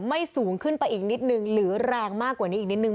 สูงขึ้นไปอีกนิดนึงหรือแรงมากกว่านี้อีกนิดนึง